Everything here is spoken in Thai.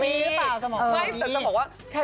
มีหรือเปล่าสมองไม่แต่จะบอกว่า